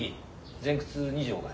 前屈２５回。